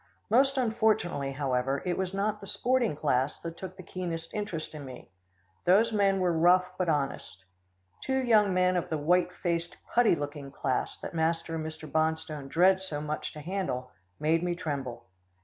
Most unfortunately, however, it was not the sporting class that took the keenest interest in me. Those men were rough but honest. Two young men of the white faced, putty looking class that master and Mr. Bonstone dread so much to handle, made me tremble.